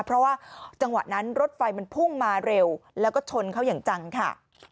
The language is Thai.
เพราะว่าจังหวะนั้นรถไฟมันพุ่งมาเร็วแล้วก็ชนเขาอย่างจังค่ะ